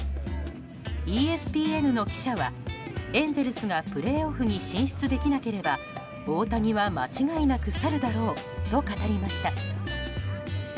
ＥＳＰＮの記者はエンゼルスがプレーオフに進出できなければ大谷は間違いなく去るだろうと語りました。